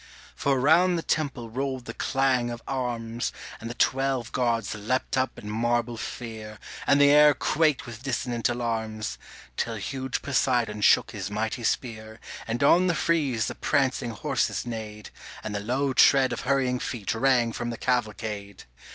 For round the temple rolled the clang of arms, And the twelve Gods leapt up in marble fear, And the air quaked with dissonant alarums Till huge Poseidon shook his mighty spear, And on the frieze the prancing horses neighed, And the low tread of hurrying feet rang from the cavalcade.